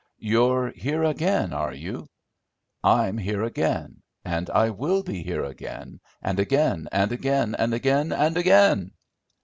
"You're here again, are you?" "I'm here again, and I will be here again. And again and again, and again and again."